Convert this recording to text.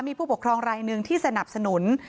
มีผู้ปกครองรายหนึ่งที่สนับสนุน